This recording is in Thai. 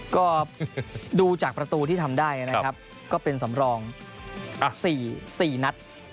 ก็ดูจากประตูที่ทำได้นะครับก็เป็นสำรอง๔นัด